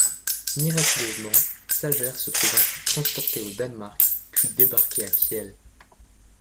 Miraculeusement, Sajer se trouve ainsi transporté au Danemark, puis débarqué à Kiel.